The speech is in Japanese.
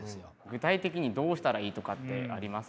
具体的にどうしたらいいとかってありますか？